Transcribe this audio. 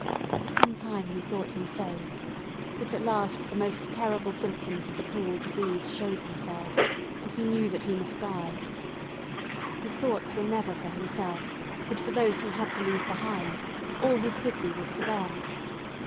For some time we thought him safe, but at last the most terrible symptoms of the cruel disease showed themselves, and he knew that he must die. His thoughts were never for himself, but for those he had to leave behind; all his pity was for them.